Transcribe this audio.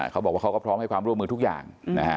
เขาบอกว่าเขาก็พร้อมให้ความร่วมมือทุกอย่าง